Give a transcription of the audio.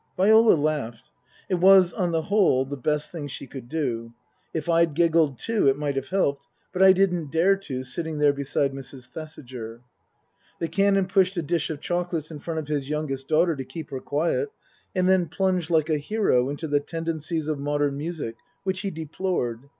Viola laughed. It was, on the whole, the best thing she could do. If I'd giggled, too, it might have helped, but I didn't dare to, sitting there beside Mrs. Thesiger. The Canon pushed a dish of chocolates in front of his youngest daughter to keep her quiet, and then plunged like a hero into the tendencies of modern music, which he deplored.